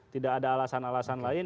tidak ada alasan alasan lain